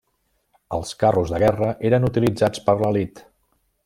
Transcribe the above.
Els carros de guerra eren utilitzats per l'elit.